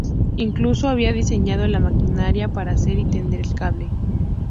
Incluso había diseñado la maquinaria para hacer y tender el cable.